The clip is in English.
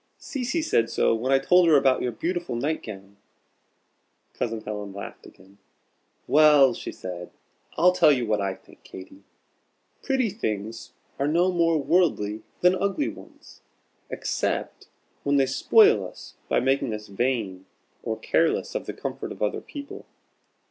"Cecy said so when I told her about your beautiful night gown." Cousin Helen laughed again. "Well," she said, "I'll tell you what I think, Katy. Pretty things are no more 'worldly' than ugly ones, except when they spoil us by making us vain, or careless of the comfort of other people.